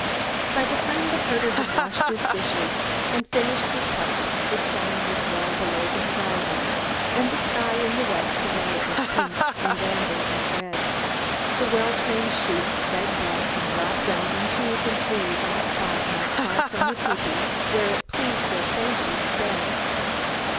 By the time the herder had washed his dishes and finished his pipe the sun was well below the horizon and the sky in the west a riot of pink and amber and red. The well trained sheep fed back and dropped down in twos and threes on a spot not far from the tepee where it pleased their fancy to bed.